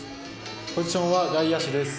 ポジションは外野手です。